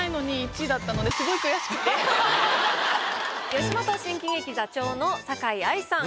吉本新喜劇座長の酒井藍さん